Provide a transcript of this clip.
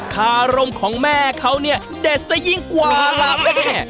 คารมของแม่เขาเนี่ยเด็ดซะยิ่งกว่าล่ะแม่